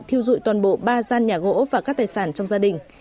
thiêu dụi toàn bộ ba gian nhà gỗ và các tài sản trong gia đình